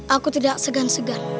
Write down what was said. aku tidak segan segan